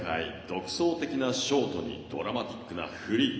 独創的なショートにドラマティックなフリー。